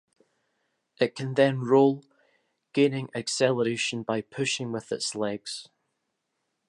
It can then roll, gaining acceleration by pushing with its legs.